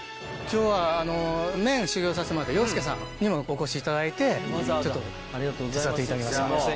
今日は麺修業させてもらったようすけさんにお越しいただいてちょっと手伝っていただきました。